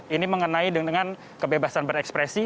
ini mengenai dengan kebebasan berekspresi